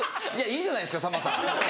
いいじゃないですかさんまさん。